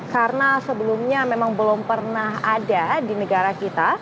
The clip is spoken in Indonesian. karena sebelumnya memang belum pernah ada di negara kita